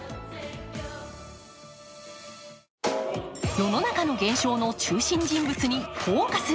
世の中の現象の中心人物に「ＦＯＣＵＳ」。